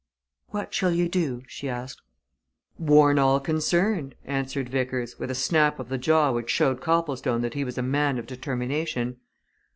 "What shall you do?" she asked. "Warn all concerned," answered Vickers, with a snap of the jaw which showed Copplestone that he was a man of determination.